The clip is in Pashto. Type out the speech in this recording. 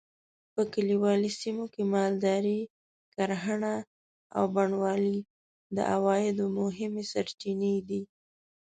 په کلیوالي سیمو کې مالداري؛ کرهڼه او بڼوالي د عوایدو مهمې سرچینې دي.